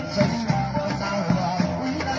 สวัสดีครับทุกคน